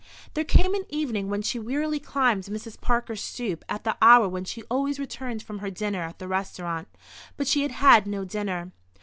There came an evening when she wearily climbed Mrs. Parker's stoop at the hour when she always returned from her dinner at the restaurant. But she had had no dinner.